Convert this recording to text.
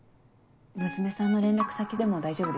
娘さんの連絡先でも大丈夫ですよ。